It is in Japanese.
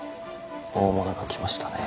大物がきましたね。